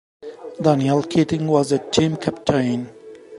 Daniel Keating was the team captain.